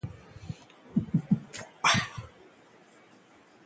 ‘भारत के एजेंट’ हैं सिंधु जल आयुक्त: जमात उद दावा